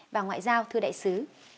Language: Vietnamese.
và ngoại giao thưa đại sứ